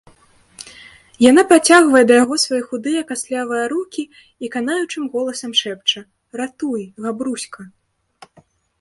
Яна працягвае да яго свае худыя кастлявыя рукi i канаючым голасам шэпча: "Ратуй, Габруська!..